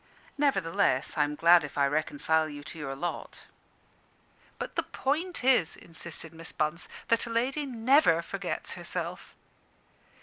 Nevertheless, I am glad if I reconcile you to your lot." "But the point is," insisted Miss Bunce, "that a lady never forgets herself."